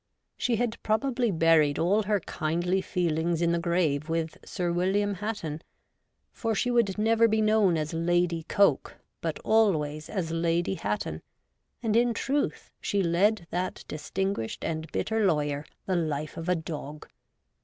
She had probably buried all her kindly feelings in the grave with Sir William Hatton, for she would never be known as Lady Coke, but always as Lady Hatton, and, in truth, she led that distinguished and bitter lawyer the life of a dog.